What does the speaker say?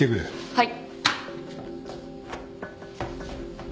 はい。